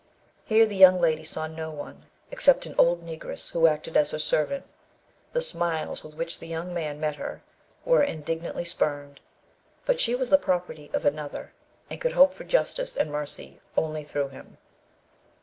Here the young lady saw no one, except an old Negress who acted as her servant. The smiles with which the young man met her were indignantly spurned. But she was the property of another, and could hope for justice and mercy only through him.